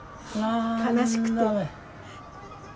悲しくて。